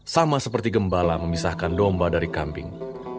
sama seperti gembala memisahkan domba dari kambing